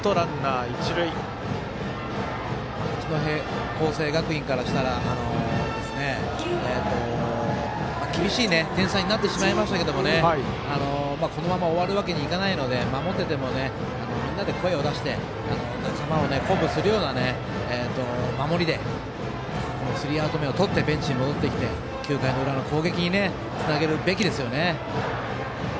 八戸学院光星からしたら厳しい点差になってしまいましたけどこのまま終わるわけにはいかないので守ってても、みんなで声を出して仲間を鼓舞するような守りでスリーアウト目をとってベンチに戻ってきて９回の裏の攻撃につなげるべきですよね。